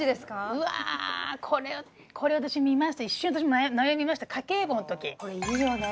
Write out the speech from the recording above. うわあこれこれ私見ました一瞬悩みました家計簿のときこれいいよね